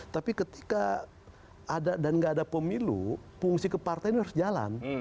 tapi ketika ada dan nggak ada pemilu fungsi kepartaian harus jalan